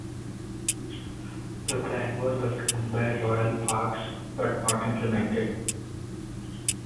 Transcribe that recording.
The plan was welcomed by Royal Parks but not implemented.